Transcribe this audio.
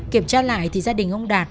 kiểm tra lại thì gia đình ông đạt